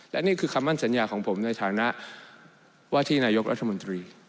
และนี่คือคำมั่นสัญญาของผมในฐานะว่าที่นายกรัฐมนตรี